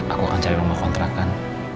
aku akan cari rumah kontrakan